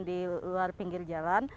di luar pinggir jalan